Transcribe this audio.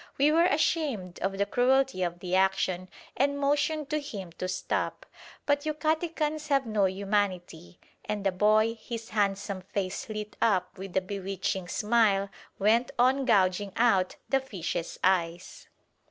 We were ashamed of the cruelty of the action, and motioned to him to stop. But Yucatecans have no humanity, and the boy, his handsome face lit up with a bewitching smile, went on gouging out the fish's eyes.